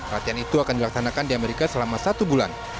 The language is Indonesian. latihan itu akan dilaksanakan di amerika selama satu bulan